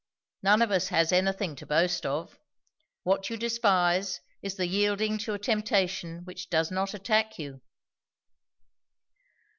None of us has anything to boast of. What you despise, is the yielding to a temptation which does not attack you."